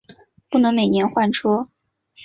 不能每年换车